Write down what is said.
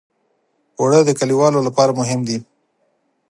اوړه د کليوالو لپاره مهم دي